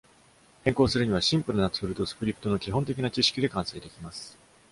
変更するには、シンプルなツールとスクリプトの基本的な知識で完成できます。